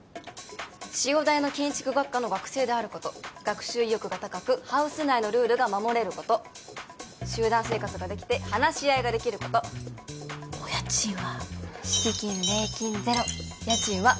潮大の建築学科の学生であること学習意欲が高くハウス内のルールが守れること集団生活ができて話し合いができることお家賃は？